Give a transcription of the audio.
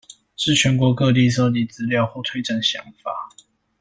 至全國各地蒐集資料或推展想法